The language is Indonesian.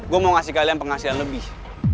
gue mau ngasih kalian penghasilan lebih